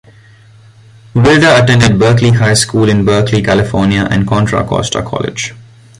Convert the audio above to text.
Wilder attended Berkeley High School in Berkeley, California and Contra Costa College.